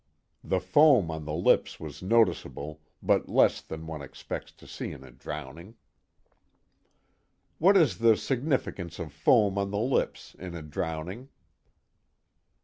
The foam on the lips was noticeable, but less than one expects to see in a drowning." "What is the significance of foam on the lips, in a drowning?"